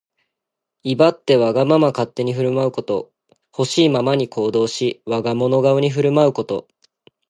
威張ってわがまま勝手に振る舞うこと。ほしいままに行動し、我が物顔に振る舞うこと。